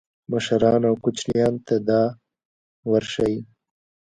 مشران کوچنیانو ته دا ورښيي.